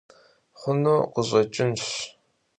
Xhunu khış'eç'ınş.